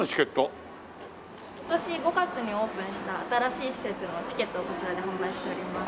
今年５月にオープンした新しい施設のチケットをこちらで販売しております。